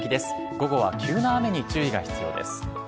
午後は急な雨に注意が必要です。